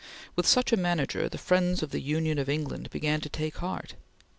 With such a manager, the friends of the Union in England began to take heart.